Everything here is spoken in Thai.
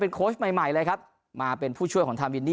เป็นโครชใหม่เลยครับมาเป็นผู้ช่วยของท่านวินดี้